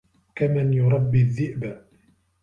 كمن يربي الذئب